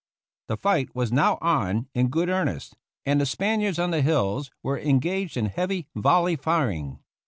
The fight was now on in good earnest, and the Spaniards on the hills were engaged in heavy vol ley firing.